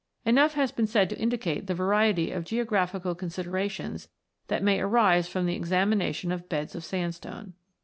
Enough has been said to indicate the variety of geographical considerations that may arise from the examination of beds of sandstone.